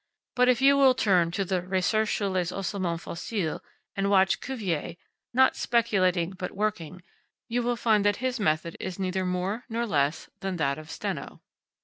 But if you will turn to the "Recherches sur les Ossemens Fossiles" and watch Cuvier, not speculating, but working, you will find that his method is neither more nor less than that of Steno.